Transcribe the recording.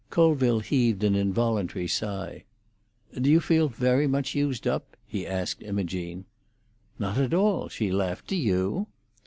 Colville heaved an involuntary sigh. "Do you feel very much used up?" he asked Imogene. "Not at all," she laughed. "Do you?"